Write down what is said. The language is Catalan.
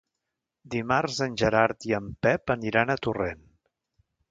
Dimarts en Gerard i en Pep aniran a Torrent.